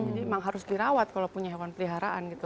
memang harus dirawat kalau punya hewan peliharaan gitu